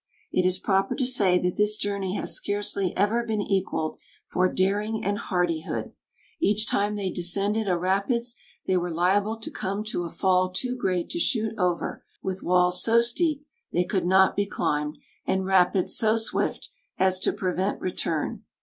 It is proper to say that this journey has scarcely ever been equaled for daring and hardihood. Each time they descended a rapids, they were liable to come to a fall too great to shoot over, with walls so steep they could not be climbed, and rapids so swift as to prevent return.